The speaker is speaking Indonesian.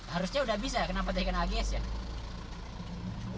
harusnya udah bisa kenapa terkena ags ya